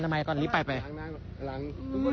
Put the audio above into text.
ซึ้มงั้นจะฟัง